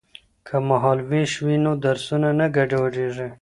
که مهال ویش وي نو درسونه نه ګډوډیږي.